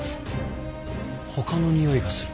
ほかのにおいがする。